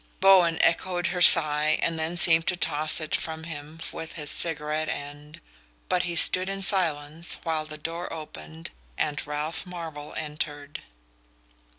Bowen echoed her sigh, and then seemed to toss it from him with his cigarette end; but he stood in silence while the door opened and Ralph Marvell entered.